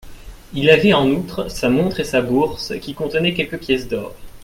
Il avait en outre sa montre et sa bourse, qui contenait quelques pièces d'or.